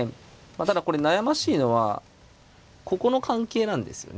ただこれ悩ましいのはここの関係なんですよね。